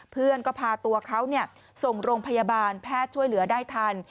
เพื่อนก็พาตัวเขาส่งโรงพยาบาลแพทย์ช่วยเหลือได้ทัน